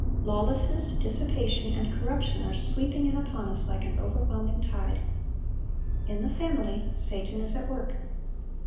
Lawlessness, dissipation, and corruption are sweeping in upon us like an overwhelming tide. In the family, Satan is at work.